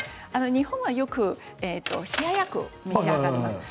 日本ではよく冷ややっこを召し上がりますね。